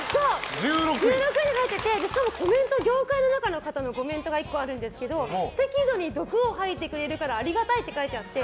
１６位に入っててしかも業界の方のコメントがあるんですけど１個あるんですけど適度に毒を吐いてくれるからありがたいって書いてあって。